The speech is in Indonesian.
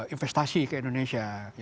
investasi ke indonesia